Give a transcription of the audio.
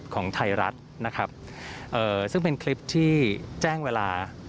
ของไทยรัฐนะครับซึ่งเป็นคลิปที่แจ้งเวลา